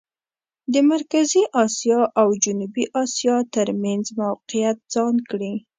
د مرکزي اسیا او جنوبي اسیا ترمېنځ موقعیت ځان کړي.